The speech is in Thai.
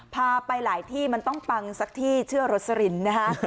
พาไปหลายที่มันต้องปังสักที่เชื่อรสลินนะฮะ